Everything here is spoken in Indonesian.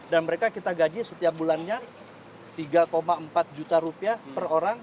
dan mereka kita gaji setiap bulannya tiga empat juta rupiah per orang